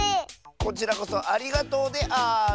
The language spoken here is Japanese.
こちらこそありがとうである！